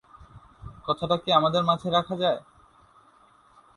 কথাটা কি আমাদের মাঝে রাখা যায়।